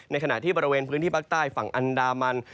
ขณะที่บริเวณพื้นที่ภาคใต้ฝั่งอันดามัน